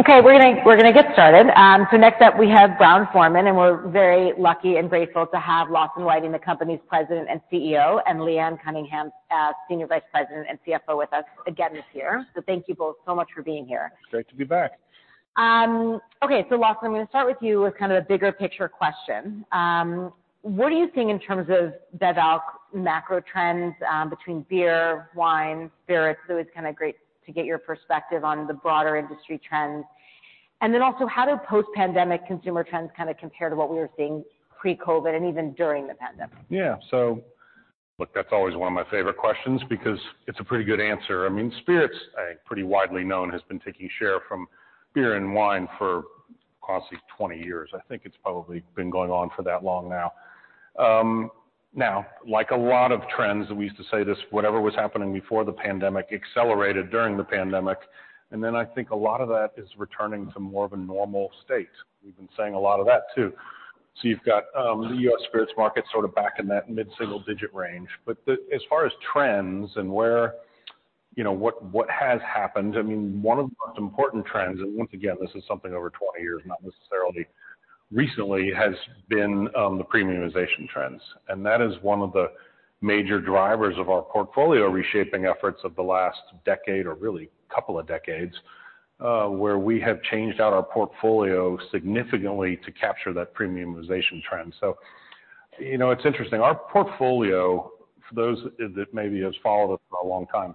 Okay, we're gonna get started. So next up, we have Brown-Forman, and we're very lucky and grateful to have Lawson Whiting, the company's President and CEO, and Leanne Cunningham, Senior Vice President and CFO, with us again this year. So thank you both so much for being here. Great to be back. Okay, so Lawson, I'm gonna start with you with kind of a bigger picture question. What are you seeing in terms of bev alc macro trends, between beer, wine, spirits? So it's kind of great to get your perspective on the broader industry trends. And then also, how do post-pandemic consumer trends kind of compare to what we were seeing pre-COVID and even during the pandemic? Yeah. So look, that's always one of my favorite questions because it's a pretty good answer. I mean, spirits, I think, pretty widely known, has been taking share from beer and wine for almost 20 years. I think it's probably been going on for that long now. Now, like a lot of trends, we used to say this, whatever was happening before the pandemic accelerated during the pandemic, and then I think a lot of that is returning to more of a normal state. We've been saying a lot of that, too. So you've got the US spirits market sort of back in that mid-single-digit range. But the, as far as trends and where, you know, what, what has happened, I mean, one of the most important trends, and once again, this is something over 20 years, not necessarily recently, has been the premiumization trends. That is one of the major drivers of our portfolio reshaping efforts of the last decade or really couple of decades, where we have changed out our portfolio significantly to capture that premiumization trend. So, you know, it's interesting. Our portfolio, for those that maybe has followed us for a long time,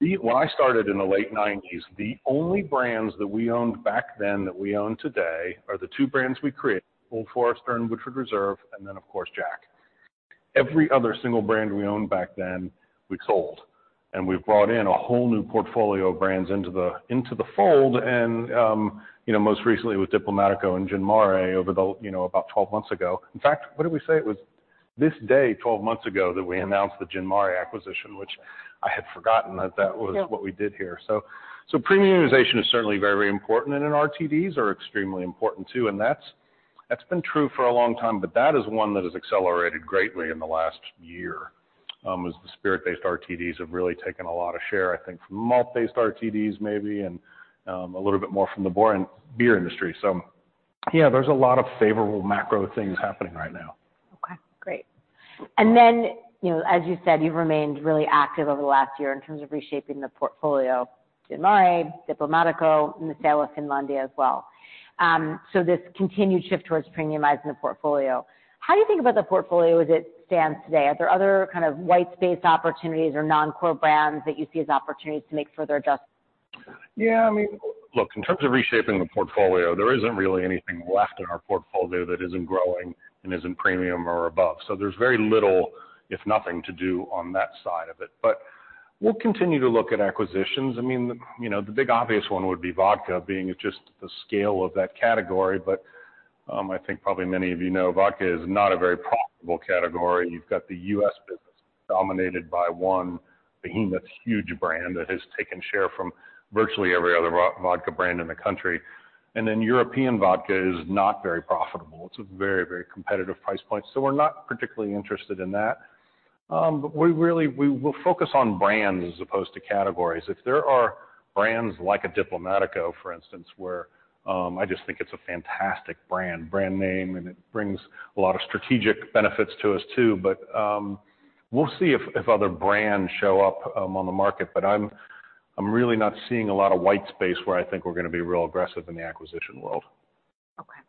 the, when I started in the late 1990s, the only brands that we owned back then that we own today are the two brands we created, Old Forester and Woodford Reserve, and then, of course, Jack. Every other single brand we owned back then, we sold, and we've brought in a whole new portfolio of brands into the, into the fold, and, you know, most recently with Diplomático and Gin Mare over the, you know, about 12 months ago. In fact, what did we say? It was this day, 12 months ago, that we announced the Gin Mare acquisition, which I had forgotten that that was what we did here. So premiumization is certainly very important, and RTDs are extremely important too. And that's been true for a long time, but that is one that has accelerated greatly in the last year, as the spirit-based RTDs have really taken a lot of share, I think, from malt-based RTDs, maybe, and a little bit more from the beer industry. So yeah, there's a lot of favorable macro things happening right now. Okay, great. And then, you know, as you said, you've remained really active over the last year in terms of reshaping the portfolio, Gin Mare, Diplomático, and the sale of Finlandia as well. So this continued shift towards premiumizing the portfolio. How do you think about the portfolio as it stands today? Are there other kind of white space opportunities or non-core brands that you see as opportunities to make further adjustments? Yeah, I mean, look, in terms of reshaping the portfolio, there isn't really anything left in our portfolio that isn't growing and isn't premium or above. So there's very little, if nothing, to do on that side of it. But we'll continue to look at acquisitions. I mean, you know, the big obvious one would be vodka, being it's just the scale of that category. But I think probably many of you know, vodka is not a very profitable category. You've got the U.S. business dominated by one behemoth, huge brand that has taken share from virtually every other vodka brand in the country. And then European vodka is not very profitable. It's a very, very competitive price point, so we're not particularly interested in that. But we really, we'll focus on brands as opposed to categories. If there are brands like a Diplomático, for instance, where I just think it's a fantastic brand name, and it brings a lot of strategic benefits to us too. But we'll see if other brands show up on the market, but I'm really not seeing a lot of white space where I think we're gonna be real aggressive in the acquisition world. Okay,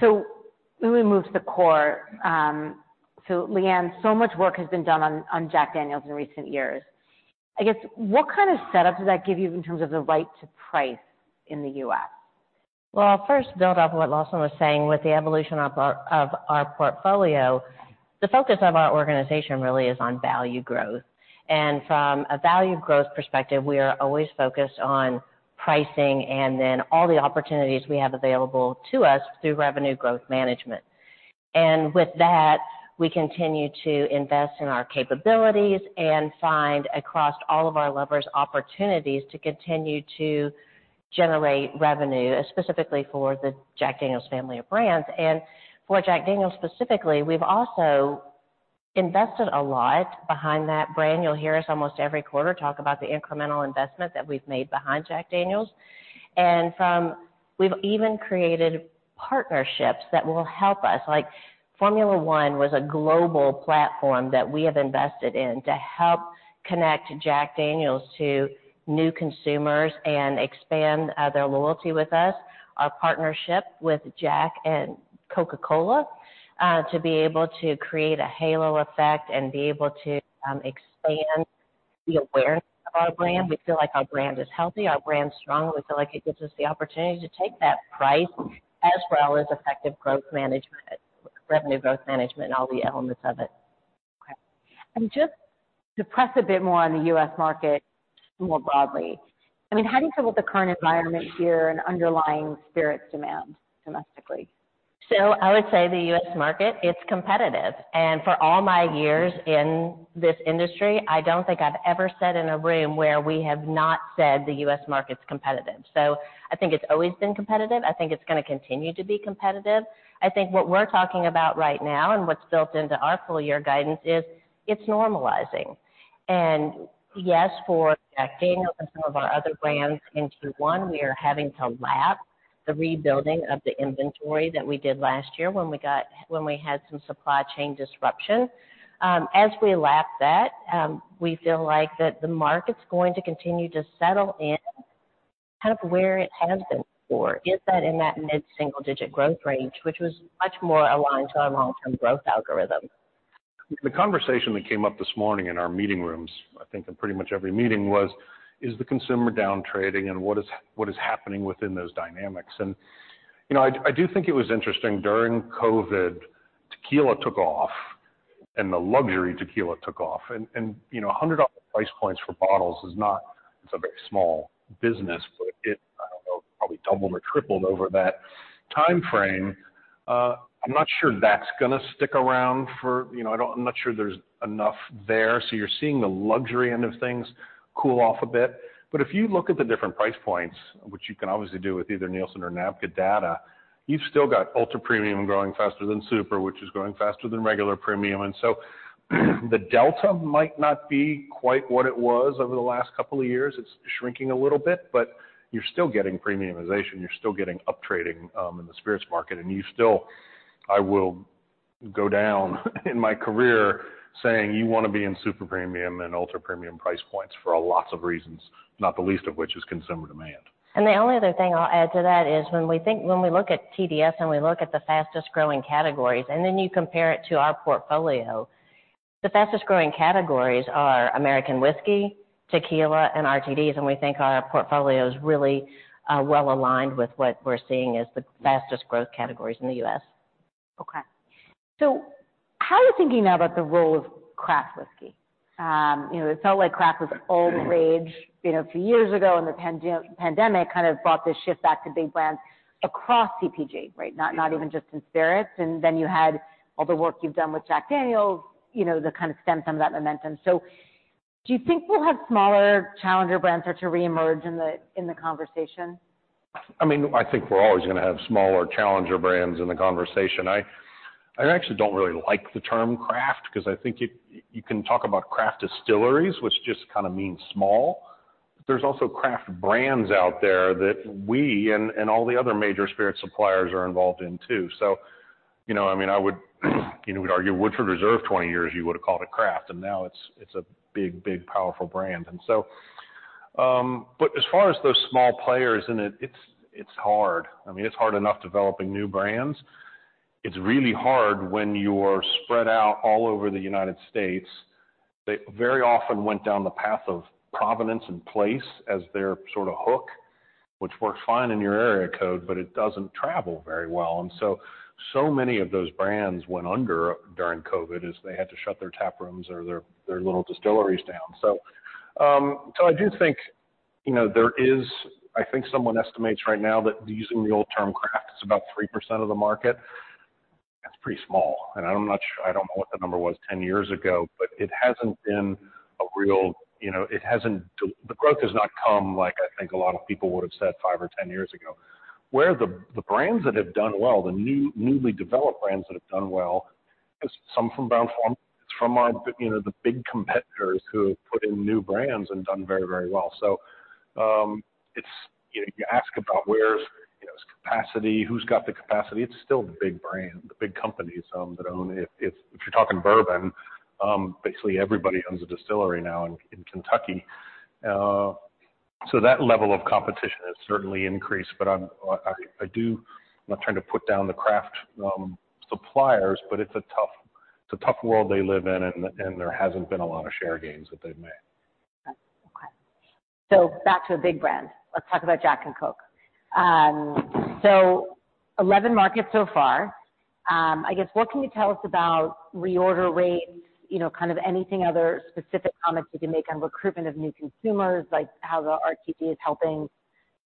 so when we move to core, so Leanne, so much work has been done on Jack Daniel's in recent years. I guess, what kind of setup does that give you in terms of the right to price in the U.S.? Well, first, build off what Lawson was saying with the evolution of our portfolio, the focus of our organization really is on value growth. And from a value growth perspective, we are always focused on pricing and then all the opportunities we have available to us through revenue growth management. And with that, we continue to invest in our capabilities and find, across all of our labels, opportunities to continue to generate revenue, specifically for the Jack Daniel's family of brands. And for Jack Daniel's specifically, we've also invested a lot behind that brand. You'll hear us almost every quarter, talk about the incremental investment that we've made behind Jack Daniel's. We've even created partnerships that will help us. Like, Formula 1 was a global platform that we have invested in to help connect Jack Daniel's to new consumers and expand their loyalty with us. Our partnership with Jack and Coca-Cola to be able to create a halo effect and be able to expand the awareness of our brand. We feel like our brand is healthy, our brand is strong. We feel like it gives us the opportunity to take that price, as well as effective growth management, revenue growth management, and all the elements of it. Okay. And just to press a bit more on the U.S. market more broadly, I mean, how do you feel about the current environment here and underlying spirits demand domestically? So I would say the U.S. market, it's competitive, and for all my years in this industry, I don't think I've ever sat in a room where we have not said the U.S. market's competitive. So I think it's always been competitive. I think it's gonna continue to be competitive. I think what we're talking about right now and what's built into our full-year guidance is it's normalizing. And yes, for Jack Daniel's and some of our other brands in Q1, we are having to lap the rebuilding of the inventory that we did last year when we had some supply chain disruption. As we lap that, we feel like that the market's going to continue to settle in kind of where it has been before. Is that in that mid-single-digit growth range, which was much more aligned to our long-term growth algorithm. The conversation that came up this morning in our meeting rooms, I think in pretty much every meeting, was: Is the consumer down trading, and what is happening within those dynamics? And, you know, I do think it was interesting. During COVID, tequila took off, and the luxury tequila took off. And, you know, $100 price points for bottles is not. It's a very small business, but it, I don't know, probably doubled or tripled over that timeframe. I'm not sure that's gonna stick around for... You know, I don't. I'm not sure there's enough there, so you're seeing the luxury end of things cool off a bit. But if you look at the different price points, which you can obviously do with either Nielsen or NABCA data, you've still got ultra-premium growing faster than super, which is growing faster than regular premium. So, the delta might not be quite what it was over the last couple of years. It's shrinking a little bit, but you're still getting premiumization. You're still getting up trading in the spirits market, and you still... I will go down in my career saying, "You wanna be in super-premium and ultra-premium price points for a lot of reasons, not the least of which is consumer demand. The only other thing I'll add to that is, when we look at TDS, and we look at the fastest-growing categories, and then you compare it to our portfolio, the fastest-growing categories are American whiskey, tequila, and RTDs, and we think our portfolio is really, well aligned with what we're seeing as the fastest growth categories in the U.S. Okay. So how are you thinking now about the role of craft whiskey? You know, it felt like craft was all the rage, you know, a few years ago, and the pandemic kind of brought this shift back to big brands across CPG, right? Not even just in spirits. And then you had all the work you've done with Jack Daniel's, you know, to kind of stem some of that momentum. So do you think we'll have smaller challenger brands start to reemerge in the conversation? I mean, I think we're always gonna have smaller challenger brands in the conversation. I actually don't really like the term craft, 'cause I think you can talk about craft distilleries, which just kinda means small. But there's also craft brands out there that we and all the other major spirit suppliers are involved in, too. So, you know, I mean, I would, you know, would argue Woodford Reserve 20 years, you would have called it craft, and now it's a big, big, powerful brand. And so, but as far as those small players, and it's hard. I mean, it's hard enough developing new brands. It's really hard when you're spread out all over the United States. They very often went down the path of provenance and place as their sorta hook, which works fine in your area code, but it doesn't travel very well. And so, so many of those brands went under during COVID, as they had to shut their tap rooms or their little distilleries down. So, I do think, you know, there is... I think someone estimates right now that using the old term craft is about 3% of the market. That's pretty small, and I'm not sure, I don't know what the number was 10 years ago, but it hasn't been a real, you know, it hasn't d. The growth has not come, like I think a lot of people would have said 5 or 10 years ago. Where the brands that have done well, the newly developed brands that have done well, is some from Brown-Forman. It's from our, you know, the big competitors who have put in new brands and done very, very well. So, it's, you know, you ask about where's, you know, capacity, who's got the capacity? It's still the big brand, the big companies that own it. If you're talking bourbon, basically, everybody owns a distillery now in Kentucky. So that level of competition has certainly increased, but I'm not trying to put down the craft suppliers, but it's a tough, it's a tough world they live in, and there hasn't been a lot of share gains that they've made. Okay. So back to a big brand. Let's talk about Jack and Coke. So 11 markets so far. I guess, what can you tell us about reorder rates, you know, kind of anything other specific comments you can make on recruitment of new consumers, like how the RTD is helping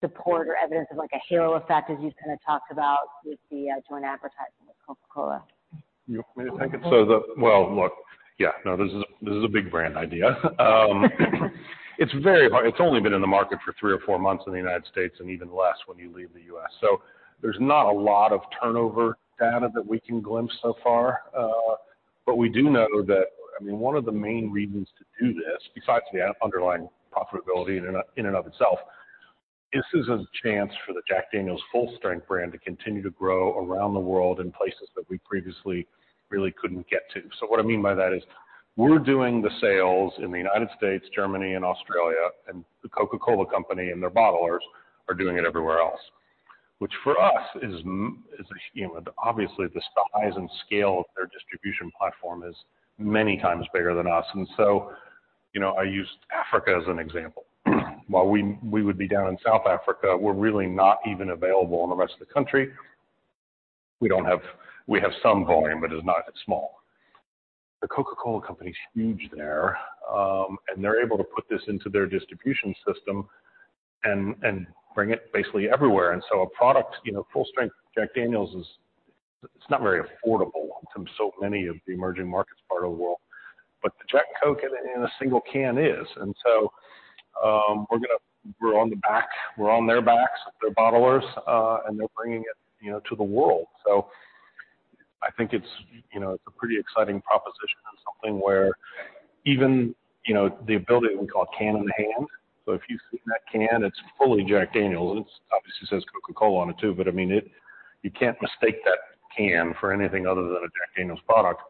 support or evidence of, like, a halo effect, as you kind of talked about with the joint advertising with Coca-Cola? You want me to take it? Well, look, yeah. No, this is, this is a big brand idea. It's very hard. It's only been in the market for three or four months in the United States and even less when you leave the U.S. So there's not a lot of turnover data that we can glimpse so far. But we do know that, I mean, one of the main reasons to do this, besides the underlying profitability in and of, in and of itself, this is a chance for the Jack Daniel's full-strength brand to continue to grow around the world in places that we previously really couldn't get to. So what I mean by that is, we're doing the sales in the United States, Germany, and Australia, and The Coca-Cola Company and their bottlers are doing it everywhere else. Which for us is, you know, obviously, the size and scale of their distribution platform is many times bigger than us. And so, you know, I used Africa as an example. While we would be down in South Africa, we're really not even available in the rest of the country. We don't have. We have some volume, but it's small. The Coca-Cola Company is huge there, and they're able to put this into their distribution system and bring it basically everywhere. And so a product, you know, full-strength Jack Daniel's is not very affordable to so many of the emerging markets part of the world, but the Jack Coke in a single can is. And so, we're gonna. We're on the back. We're on their backs, their bottlers, and they're bringing it, you know, to the world. So... I think it's, you know, it's a pretty exciting proposition and something where even, you know, the ability that we call can in the hand. So if you've seen that can, it's fully Jack Daniel's. It obviously says Coca-Cola on it, too, but I mean, it, you can't mistake that can for anything other than a Jack Daniel's product.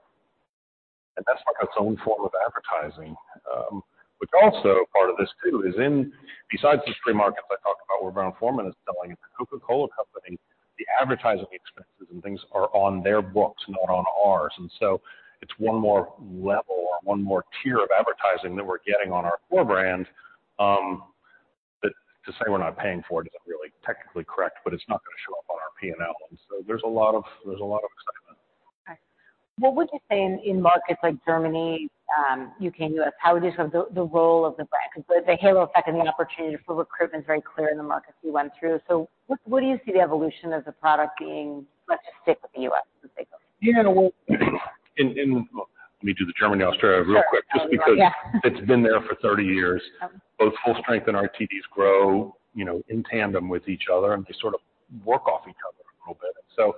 And that's like its own form of advertising. Which also part of this too is, besides the free markets I talked about, where Brown-Forman is selling at the Coca-Cola Company, the advertising expenses and things are on their books, not on ours. And so it's one more level or one more tier of advertising that we're getting on our core brands. But to say we're not paying for it isn't really technically correct, but it's not gonna show up on our P&L. There's a lot of excitement. Okay. What would you say in markets like Germany, UK, US, how would you sort of the role of the brand? Because the halo effect and the opportunity for recruitment is very clear in the markets you went through. So what do you see the evolution of the product being? Let's just stick with the US for sake. Yeah, well, in... Let me do the Germany, Australia real quick. Sure. Just because- Yeah. It's been there for 30 years. Um. Both full strength and RTDs grow, you know, in tandem with each other, and they sort of work off each other a little bit. So,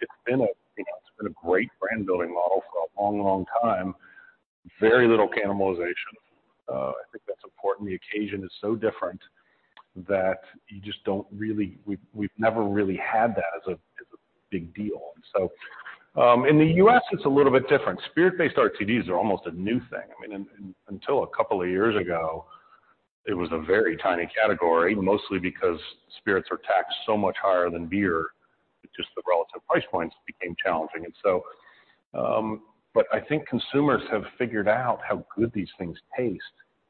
it's been a, you know, it's been a great brand building model for a long, long time. Very little cannibalization. I think that's important. The occasion is so different that you just don't really... We've never really had that as a big deal. So, in the U.S., it's a little bit different. Spirit-based RTDs are almost a new thing. I mean, until a couple of years ago, it was a very tiny category, mostly because spirits are taxed so much higher than beer. Just the relative price points became challenging. And so, but I think consumers have figured out how good these things taste.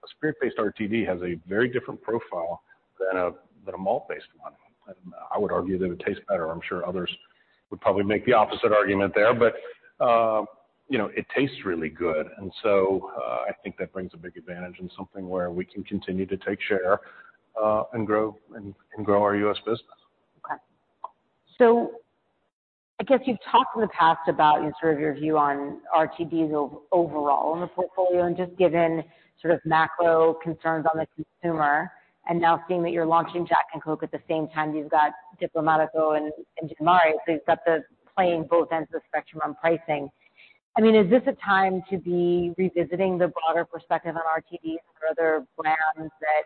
A spirit-based RTD has a very different profile than a, than a malt-based one, and I would argue that it tastes better. I'm sure others would probably make the opposite argument there, but, you know, it tastes really good. And so, I think that brings a big advantage and something where we can continue to take share, and grow, and grow our U.S. business. Okay. So I guess you've talked in the past about sort of your view on RTDs overall in the portfolio, and just given sort of macro concerns on the consumer, and now seeing that you're launching Jack and Coke at the same time, you've got Diplomático and, and Gin Mare. So you've got the, playing both ends of the spectrum on pricing. I mean, is this a time to be revisiting the broader perspective on RTDs for other brands that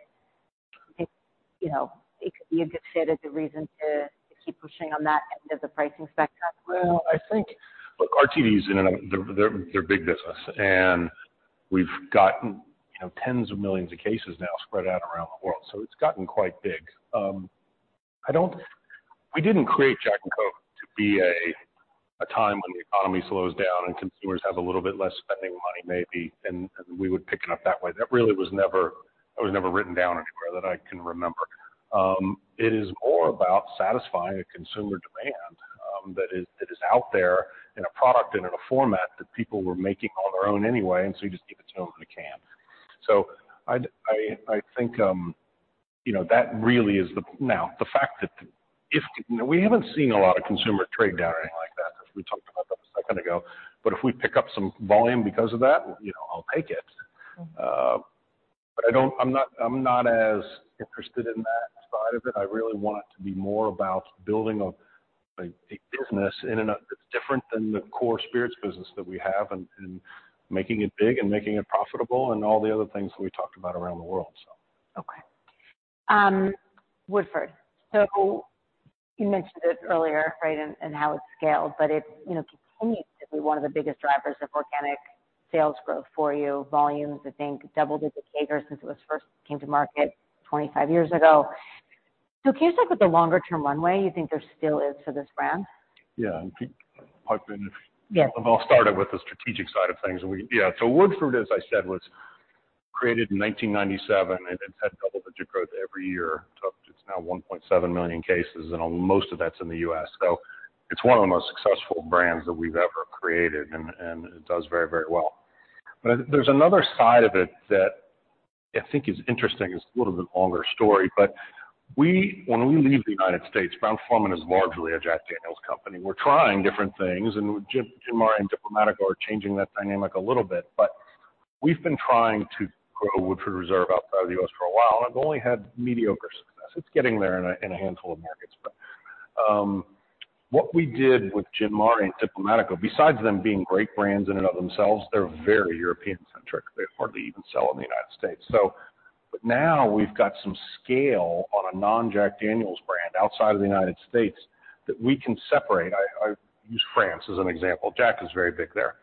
you think, you know, it could be a good fit as a reason to, to keep pushing on that end of the pricing spectrum? Well, I think, look, RTDs, you know, they're big business, and we've gotten, you know, tens of millions of cases now spread out around the world, so it's gotten quite big. I don't. We didn't create Jack and Coke to be a time when the economy slows down and consumers have a little bit less spending money, maybe, and we would pick it up that way. That really was never written down anywhere that I can remember. It is more about satisfying a consumer demand that is out there in a product and in a format that people were making on their own anyway, and so we just give it to them in a can. So I think, you know, that really is the... Now, the fact that if we haven't seen a lot of consumer trade down or anything like that, as we talked about that a second ago, but if we pick up some volume because of that, you know, I'll take it. But I don't. I'm not as interested in that side of it. I really want it to be more about building a business that's different than the core spirits business that we have, and making it big and making it profitable and all the other things that we talked about around the world, so. Okay. Woodford, so you mentioned it earlier, right, and how it's scaled, but it, you know, continues to be one of the biggest drivers of organic sales growth for you. Volumes, I think, double-digit CAGR since it was first came to market 25 years ago. So can you talk about the longer-term runway you think there still is for this brand? Yeah, I can pipe in. Yeah. I'll start it with the strategic side of things. We, yeah, so Woodford, as I said, was created in 1997, and it's had double-digit growth every year. So it's now 1.7 million cases, and most of that's in the U.S. So it's one of the most successful brands that we've ever created, and, and it does very, very well. But there's another side of it that I think is interesting. It's a little bit longer story, but we, when we leave the United States, Brown-Forman is largely a Jack Daniel's company. We're trying different things, and Gin Mare and Diplomático are changing that dynamic a little bit, but we've been trying to grow Woodford Reserve outside of the U.S. for a while, and we've only had mediocre success. It's getting there in a, in a handful of markets. But, what we did with Gin Mare and Diplomático, besides them being great brands in and of themselves, they're very European-centric. They hardly even sell in the United States. So, but now we've got some scale on a non-Jack Daniel's brand outside of the United States that we can separate. I, I use France as an example. Jack is very big there.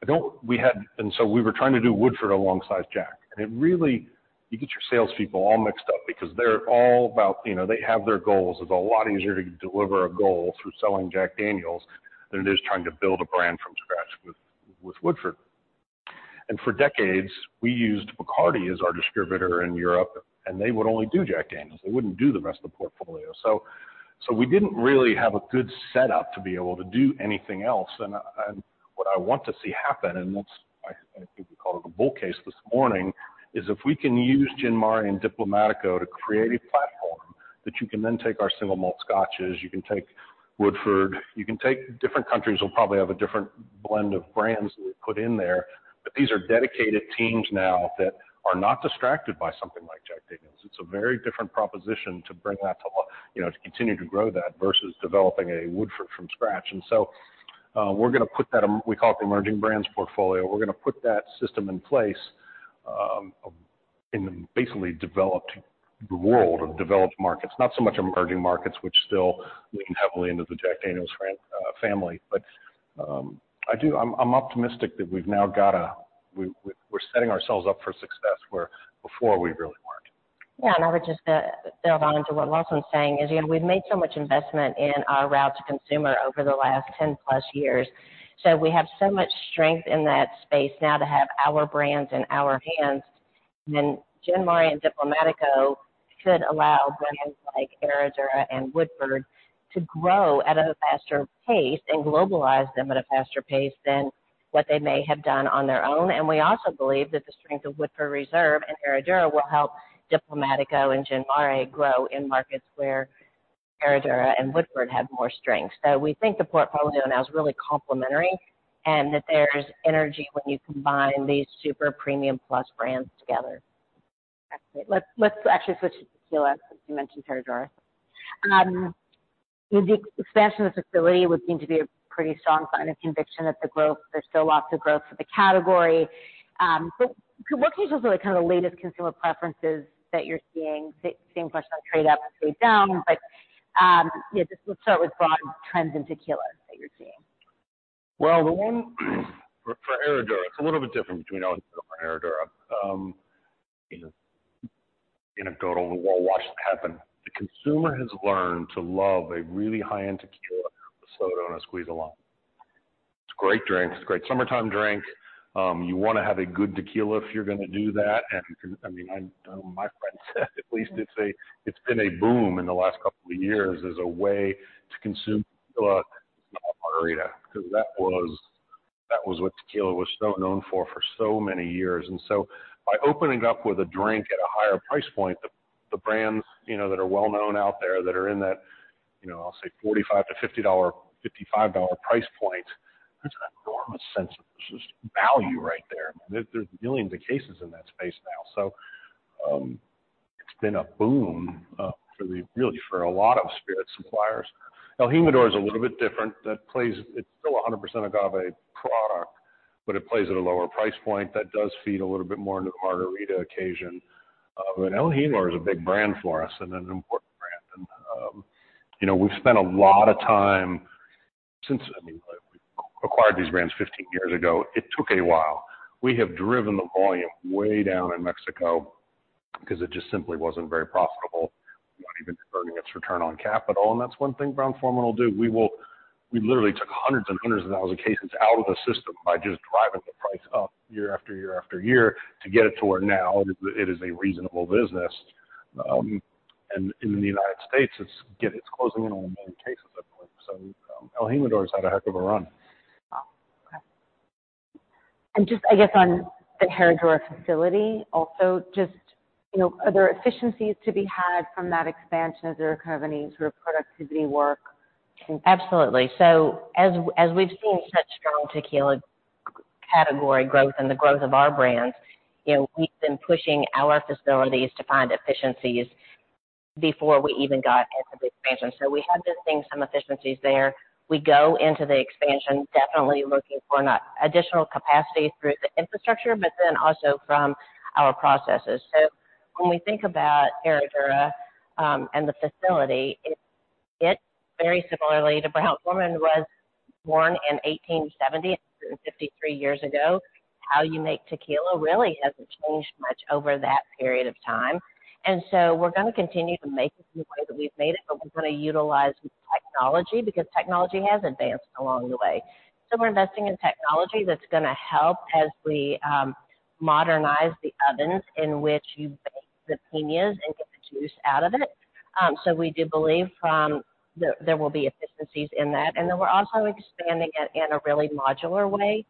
I don't... We had, and so we were trying to do Woodford alongside Jack, and it really, you get your salespeople all mixed up because they're all about, you know, they have their goals. It's a lot easier to deliver a goal through selling Jack Daniel's than it is trying to build a brand from scratch with, with Woodford. And for decades, we used Bacardi as our distributor in Europe, and they would only do Jack Daniel's. They wouldn't do the rest of the portfolio. So we didn't really have a good setup to be able to do anything else. And what I want to see happen, and that's, I think we called it a bull case this morning, is if we can use Gin Mare and Diplomático to create a platform, that you can then take our single malt Scotches, you can take Woodford, you can take different countries will probably have a different blend of brands that we put in there, but these are dedicated teams now that are not distracted by something like Jack.... It's a very different proposition to bring that to life, you know, to continue to grow that versus developing a Woodford from scratch. And so, we're gonna put that, we call it the emerging brands portfolio. We're gonna put that system in place in basically developed world of developed markets, not so much emerging markets, which still lean heavily into the Jack Daniel's family. But I'm optimistic that we've now got a—we're setting ourselves up for success, where before we really weren't. Yeah, and I would just build on to what Lawson is saying, you know, we've made so much investment in our route to consumer over the last 10+ years. So we have so much strength in that space now to have our brands in our hands. Then Gin Mare and Diplomático could allow brands like Herradura and Woodford to grow at a faster pace and globalize them at a faster pace than what they may have done on their own. And we also believe that the strength of Woodford Reserve and Herradura will help Diplomático and Gin Mare grow in markets where Herradura and Woodford have more strength. So we think the portfolio now is really complementary, and that there's energy when you combine these super premium plus brands together. Great. Let's actually switch to tequila. You mentioned Herradura. The expansion of facility would seem to be a pretty strong sign of conviction that the growth, there's still lots of growth for the category. So what cases are the kind of latest consumer preferences that you're seeing? Same question on trade up and trade down, but yeah, just let's start with broad trends in tequila that you're seeing. Well, the one for Herradura, it's a little bit different between Herradura. You know, anecdotal, we'll watch this happen. The consumer has learned to love a really high-end tequila soda on a squeeze of lime. It's a great drink. It's a great summertime drink. You want to have a good tequila if you're gonna do that. And, I mean, I, my friend said, at least it's a—it's been a boom in the last couple of years as a way to consume tequila, margarita, because that was, that was what tequila was so known for, for so many years. And so by opening up with a drink at a higher price point, the, the brands, you know, that are well known out there, that are in that, you know, I'll say $45-$50, $55 price point, there's an enormous sense of just value right there. There's billions of cases in that space now. So, it's been a boom, really, for a lot of spirit suppliers. El Jimador is a little bit different. That plays. It's still a 100% agave product, but it plays at a lower price point. That does feed a little bit more into the margarita occasion. But El Jimador is a big brand for us and an important brand. And, you know, we've spent a lot of time since, I mean, we acquired these brands 15 years ago. It took a while. We have driven the volume way down in Mexico because it just simply wasn't very profitable, not even earning its return on capital. And that's one thing Brown-Forman will do. We literally took hundreds and hundreds of thousands of cases out of the system by just driving the price up year after year after year, to get it to where now it is a reasonable business. In the United States, it's closing in on 1 million cases at the point. So, El Jimador's had a heck of a run. Wow! Okay. Just, I guess, on the Herradura facility also, just, you know, are there efficiencies to be had from that expansion as there are kind of any sort of productivity work? Absolutely. So as, as we've seen such strong tequila category growth and the growth of our brands, you know, we've been pushing our facilities to find efficiencies before we even got into the expansion. So we have been seeing some efficiencies there. We go into the expansion, definitely looking for an additional capacity through the infrastructure, but then also from our processes. So when we think about Herradura, and the facility, it very similarly to Brown-Forman, was born in 1870, 53 years ago. How you make tequila really hasn't changed much over that period of time. And so we're gonna continue to make it the way that we've made it, but we're gonna utilize technology, because technology has advanced along the way. So we're investing in technology that's gonna help as we modernize the ovens in which you bake the piñas and get the juice out of it. So we do believe there will be efficiencies in that, and then we're also expanding it in a really modular way,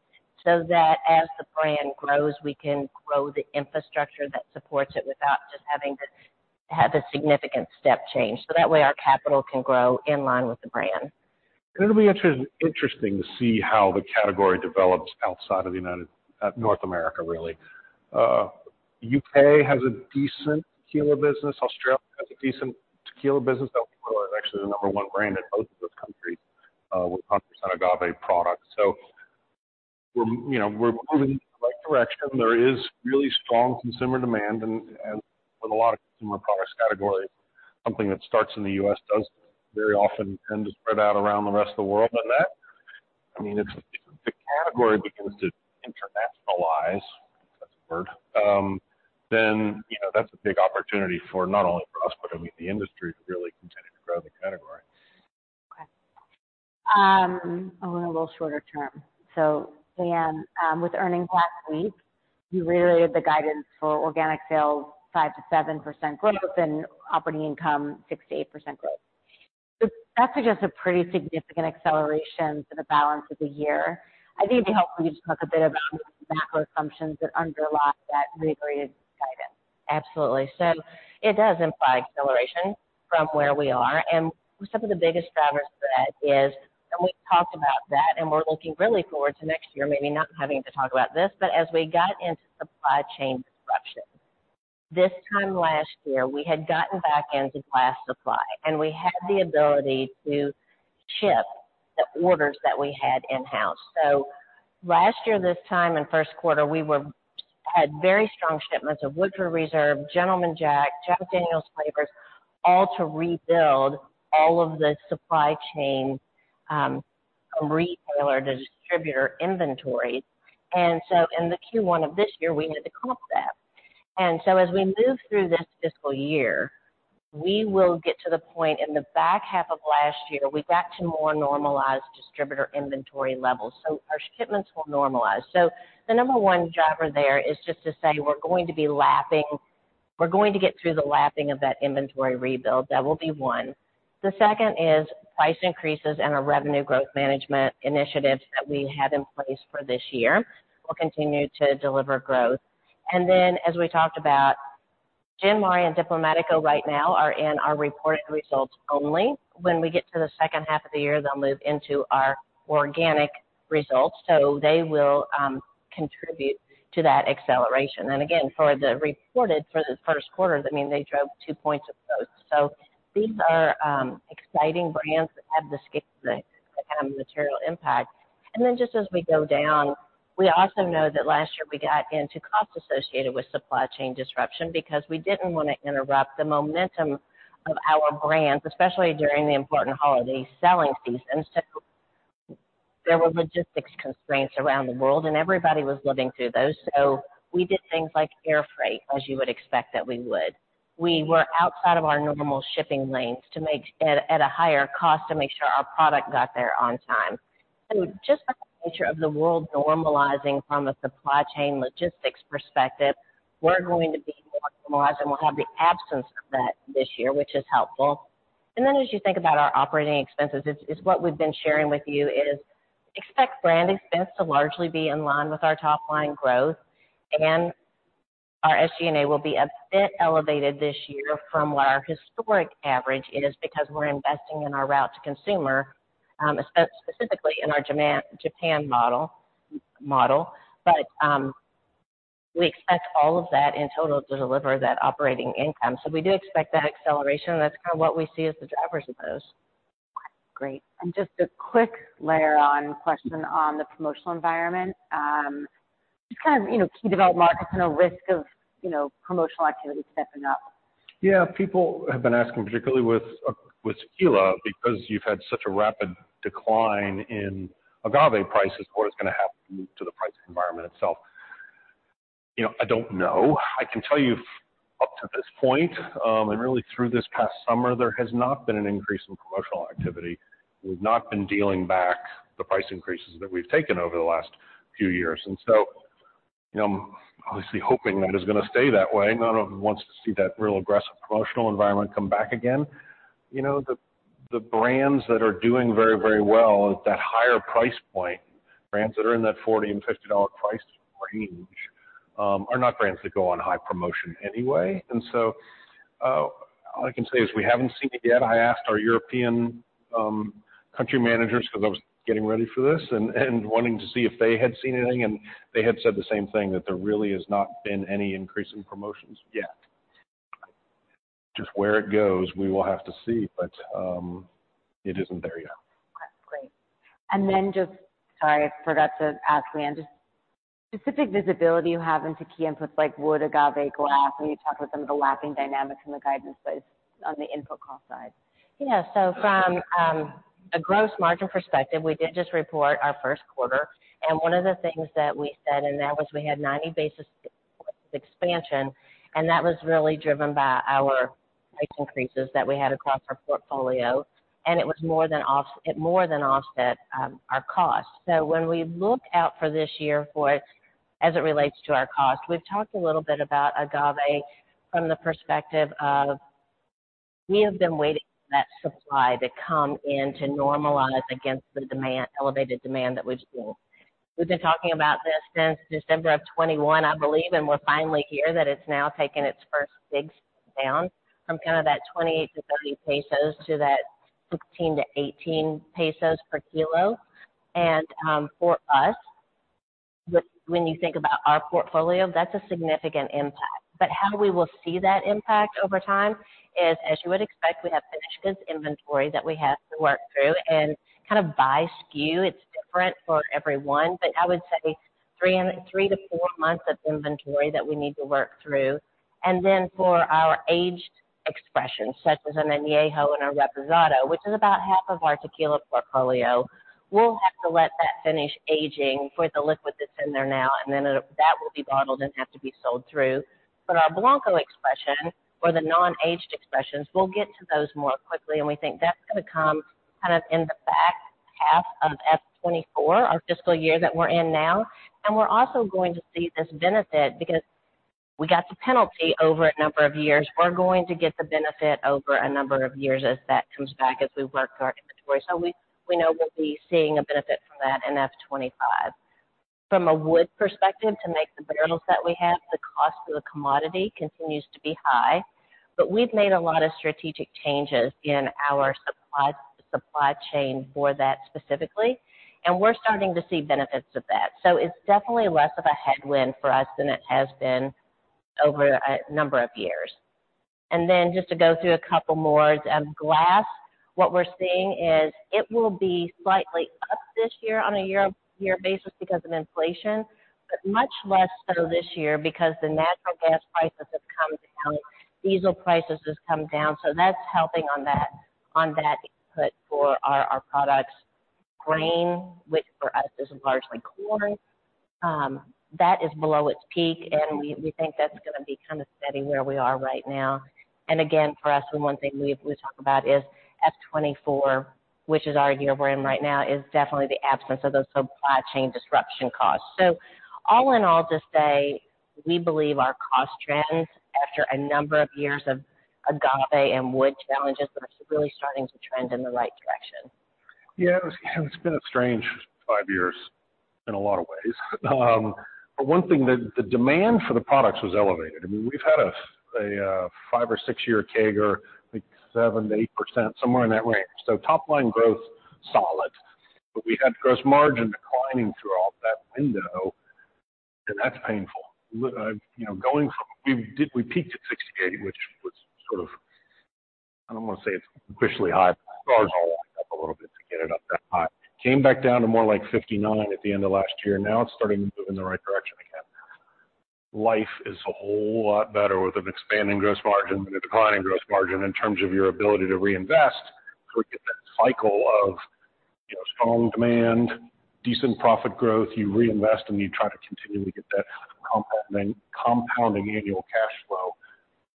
so that as the brand grows, we can grow the infrastructure that supports it without just having to have a significant step change. So that way, our capital can grow in line with the brand. It'll be interesting, interesting to see how the category develops outside of the United States, North America, really. U.K. has a decent tequila business. Australia has a decent tequila business. That is actually the number one brand in both of those countries with 100% agave products. So we're, you know, we're moving in the right direction. There is really strong consumer demand and, and with a lot of consumer products category, something that starts in the U.S., does very often tend to spread out around the rest of the world. And that, I mean, if the category begins to internationalize, that's the word, then, you know, that's a big opportunity for not only for us, but I mean, the industry to really continue to grow the category. Okay. A little shorter term. So Leanne, with earnings last week, you reiterated the guidance for organic sales, 5%-7% growth and operating income, 6%-8% growth. That suggests a pretty significant acceleration for the balance of the year. I think it'd be helpful to just talk a bit about the macro assumptions that underlie that reiterated guidance. Absolutely. So it does imply acceleration from where we are. And some of the biggest drivers for that is, and we've talked about that, and we're looking really forward to next year, maybe not having to talk about this, but as we got into supply chain. This time last year, we had gotten back into glass supply, and we had the ability to ship the orders that we had in-house. So last year, this time in first quarter, we were, had very strong shipments of Woodford Reserve, Gentleman Jack, Jack Daniel's flavors, all to rebuild all of the supply chain, retailer to distributor inventory. And so in the Q1 of this year, we had to comp that. And so as we move through this fiscal year, we will get to the point in the back half of last year, we got to more normalized distributor inventory levels, so our shipments will normalize. So the number one driver there is just to say we're going to be lapping—we're going to get through the lapping of that inventory rebuild. That will be one. The second is price increases and our revenue growth management initiatives that we have in place for this year will continue to deliver growth. And then, as we talked about, Gin Mare and Diplomático right now are in our reported results only. When we get to the second half of the year, they'll move into our organic results. So they will contribute to that acceleration. And again, for the reported, for the first quarter, that means they drove 2 points of growth. So these are exciting brands that have the scale to have a material impact. And then just as we go down, we also know that last year we got into costs associated with supply chain disruption because we didn't want to interrupt the momentum of our brands, especially during the important holiday selling season. So there were logistics constraints around the world, and everybody was living through those. So we did things like air freight, as you would expect that we would. We were outside of our normal shipping lanes to make, at a higher cost, to make sure our product got there on time. And just by the nature of the world normalizing from a supply chain logistics perspective, we're going to be more optimized, and we'll have the absence of that this year, which is helpful. Then as you think about our operating expenses, it's what we've been sharing with you is, expect brand expense to largely be in line with our top line growth, and our SG&A will be a bit elevated this year from what our historic average is, because we're investing in our route-to-consumer, specifically in our demand Japan model. But, we expect all of that in total to deliver that operating income. So we do expect that acceleration, and that's kind of what we see as the drivers of those. Great. Just a quick follow-on question on the promotional environment, just kind of, you know, key developed markets and a risk of, you know, promotional activity stepping up. Yeah, people have been asking, particularly with, with tequila, because you've had such a rapid decline in agave prices, what is going to happen to the price environment itself? You know, I don't know. I can tell you up to this point, and really through this past summer, there has not been an increase in promotional activity. We've not been dealing back the price increases that we've taken over the last few years. And so, you know, I'm obviously hoping that it's going to stay that way. No one wants to see that real aggressive promotional environment come back again. You know, the, the brands that are doing very, very well at that higher price point, brands that are in that $40-$50 price range, are not brands that go on high promotion anyway. So, all I can say is we haven't seen it yet. I asked our European country managers, because I was getting ready for this and wanting to see if they had seen anything, and they had said the same thing, that there really has not been any increase in promotions yet. Just where it goes, we will have to see, but it isn't there yet. Great. And then just sorry, I forgot to ask, Leanne, just specific visibility you have into key inputs like wood, agave, glass, when you talk about some of the lapping dynamics in the guidance, but on the input cost side. Yeah, so from a gross margin perspective, we did just report our first quarter, and one of the things that we said in that was we had 90 basis points expansion, and that was really driven by our price increases that we had across our portfolio, and it more than offset our costs. So when we look out for this year for, as it relates to our cost, we've talked a little bit about agave from the perspective of we have been waiting for that supply to come in to normalize against the demand, elevated demand that we've seen. We've been talking about this since December of 2021, I believe, and we're finally here, that it's now taken its first big down from kind of that 28-30 pesos to that 16-18 pesos per kilo. And for us, when you think about our portfolio, that's a significant impact. But how we will see that impact over time is, as you would expect, we have finished this inventory that we have to work through and kind of by SKU, it's different for every one, but I would say 3-4 months of inventory that we need to work through. And then for our aged expressions, such as Añejo and our Reposado, which is about half of our tequila portfolio, we'll have to let that finish aging for the liquid that's in there now, and then that will be bottled and have to be sold through. But our Blanco expression, or the non-aged expressions, we'll get to those more quickly, and we think that's going to come kind of in the back half of FY 2024, our fiscal year that we're in now. And we're also going to see this benefit because we got the penalty over a number of years. We're going to get the benefit over a number of years as that comes back, as we work through our inventory. So we know we'll be seeing a benefit from that in FY 2025. From a wood perspective, to make the barrels that we have, the cost of the commodity continues to be high. But we've made a lot of strategic changes in our supply chain for that specifically, and we're starting to see benefits of that. So it's definitely less of a headwind for us than it has been over a number of years. And then just to go through a couple more, glass, what we're seeing is it will be slightly up this year on a year-over-year basis because of inflation, but much less so this year because the natural gas prices have come down, diesel prices have come down, so that's helping on that input for our products. Grain, which for us is largely corn, that is below its peak, and we think that's gonna be kind of steady where we are right now. And again, for us, the one thing we talk about is FY 2024, which is our year we're in right now, is definitely the absence of those supply chain disruption costs. So all in all, just say, we believe our cost trends, after a number of years of agave and wood challenges, are really starting to trend in the right direction. Yeah, it's been a strange 5 years in a lot of ways. But one thing, the demand for the products was elevated. I mean, we've had a 5- or 6-year CAGR, I think 7%-8%, somewhere in that range. So top line growth, solid, but we had gross margin declining through all that window, and that's painful. You know, going from, we did, we peaked at 68, which was sort of, I don't want to say it's officially high, but up a little bit to get it up that high. Came back down to more like 59 at the end of last year. Now it's starting to move in the right direction again. Life is a whole lot better with an expanding gross margin than a declining gross margin in terms of your ability to reinvest. We get that cycle of, you know, strong demand, decent profit growth, you reinvest, and you try to continue to get that compound, compounding annual cash flow.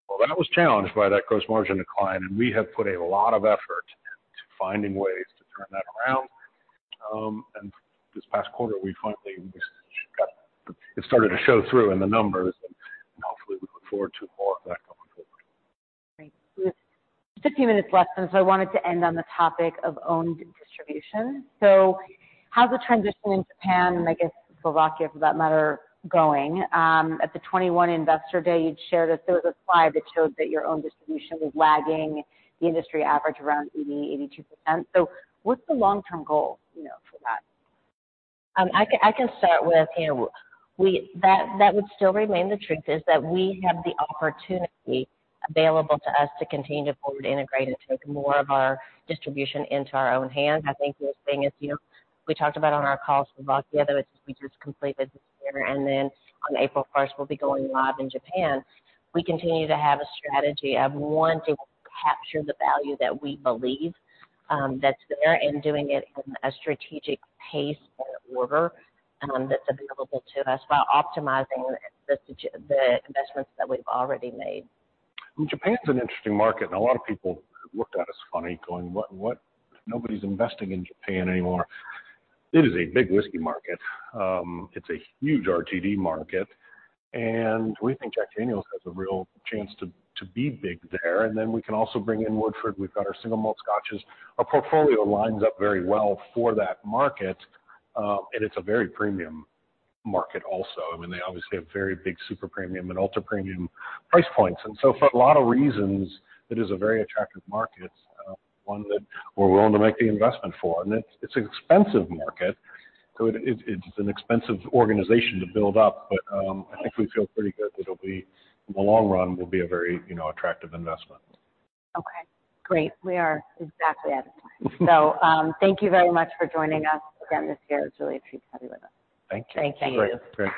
Well, that was challenged by that gross margin decline, and we have put a lot of effort into finding ways to turn that around. And this past quarter, we finally got it started to show through in the numbers, and hopefully we look forward to more of that going forward. Great. Just a few minutes left, and so I wanted to end on the topic of owned distribution. So how's the transition in Japan, and I guess Slovakia, for that matter, going? At the 2021 Investor Day, you'd shared that there was a slide that showed that your own distribution was lagging the industry average around 80%-82%. So what's the long-term goal, you know, for that? I can, I can start with, you know, we—that, that would still remain the truth, is that we have the opportunity available to us to continue to forward integrate and take more of our distribution into our own hands. I think the thing is, you know, we talked about on our call, Slovakia, which we just completed this year, and then on April first, we'll be going live in Japan. We continue to have a strategy of, one, to capture the value that we believe that's there, and doing it in a strategic pace and order that's available to us while optimizing the investments that we've already made. Japan's an interesting market, and a lot of people looked at us funny, going, "What, what? Nobody's investing in Japan anymore." It is a big whiskey market. It's a huge RTD market, and we think Jack Daniel's has a real chance to, to be big there, and then we can also bring in Woodford. We've got our single malt Scotches. Our portfolio lines up very well for that market, and it's a very premium market also. I mean, they obviously have very big super premium and ultra premium price points. And so for a lot of reasons, it is a very attractive market, one that we're willing to make the investment for. It's an expensive market, so it's an expensive organization to build up, but I think we feel pretty good that it'll be, in the long run, will be a very, you know, attractive investment. Okay, great. We are exactly out of time. Thank you very much for joining us again this year. It's really a treat to have you with us. Thank you. Thank you. Great.